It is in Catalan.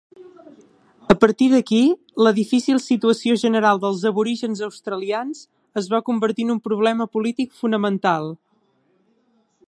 A partir d'aquí, la difícil situació general dels aborígens australians es va convertir en un problema polític fonamental.